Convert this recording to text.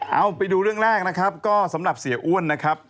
เอาไปดูเรื่องแรกนะครับก็สำหรับเสียอ้วนนะครับ